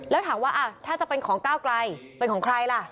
แล้วถามว่าถ้าจะเป็นของก้าวไกลเป็นของใครล่ะ